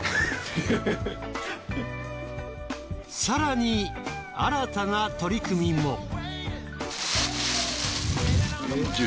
更に新たな取り組みも。